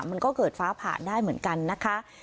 มันก็เกิดฟ้าผ่าได้เหมือนกันนะคะ